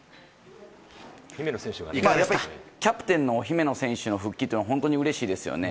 キャプテンの姫野選手の復帰は本当にうれしいですよね。